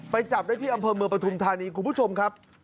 จับได้ที่อำเภอเมืองปฐุมธานีคุณผู้ชมครับ